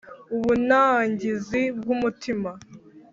Ubunangizi bw’umutima